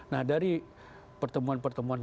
nah dari pertemuan pertemuan